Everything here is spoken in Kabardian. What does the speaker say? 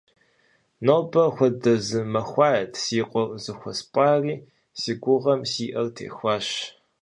Нобэ хуэдэ зы махуает си къуэр зыхуэспӀари, си гугъэм си Ӏэр техуащ.